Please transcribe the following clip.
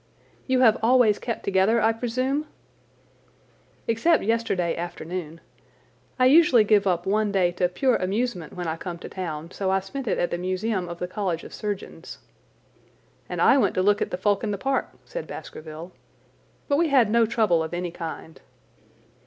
"You have always kept together, I presume?" "Except yesterday afternoon. I usually give up one day to pure amusement when I come to town, so I spent it at the Museum of the College of Surgeons." "And I went to look at the folk in the park," said Baskerville. "But we had no trouble of any kind."